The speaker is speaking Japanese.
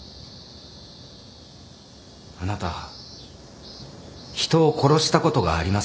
あなた人を殺したことがありますね。